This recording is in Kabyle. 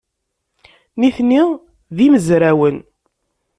Nitni d imezrawen.